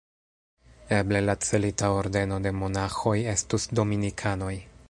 Eble la celita ordeno de monaĥoj estus dominikanoj.